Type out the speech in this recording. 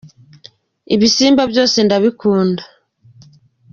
Ibisimba byose ndabilkunda.